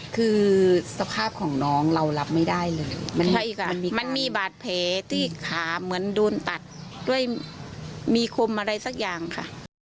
คือสภาพของน้องเรารับไม่ได้เลยมันมีบาดแผลที่ขาเหมือนโดนตัดด้วยมีคมอะไรสักอย่างค่ะ